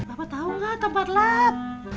papa tau nggak tempat lap